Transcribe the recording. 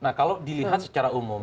nah kalau dilihat secara umum